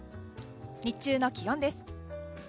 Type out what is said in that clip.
日中の気温です。